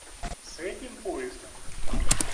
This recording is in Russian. С этим поездом?